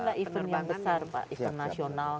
kalau event yang besar event nasional